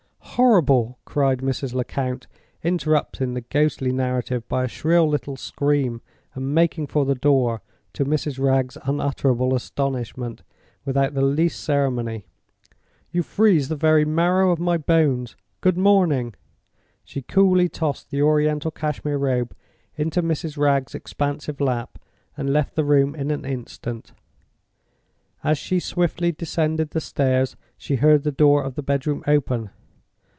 "Horrible!" cried Mrs. Lecount, interrupting the ghostly narrative by a shrill little scream and making for the door, to Mrs. Wragge's unutterable astonishment, without the least ceremony. "You freeze the very marrow of my bones. Good morning!" She coolly tossed the Oriental Cashmere Robe into Mrs. Wragge's expansive lap and left the room in an instant. As she swiftly descended the stairs, she heard the door of the bedroom open.